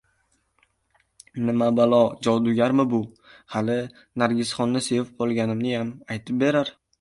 Nima balo, jodugarmi bu? Hali Nargisxonni sevib qolganim- niyam aytib berar!